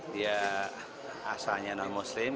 dia asalnya non muslim